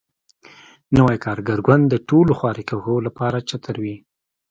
نوی کارګر ګوند د ټولو خواریکښو لپاره چتر وي.